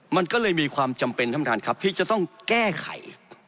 มันก็เลยมีความจำเป็นท่านประธานครับที่จะต้องแก้ไข